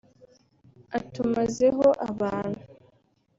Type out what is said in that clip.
atumaze ho abantu